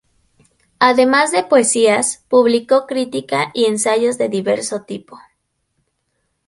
Además de poesías, publicó crítica y ensayos de diverso tipo.